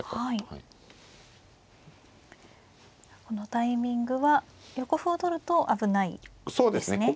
このタイミングは横歩を取ると危ないですね。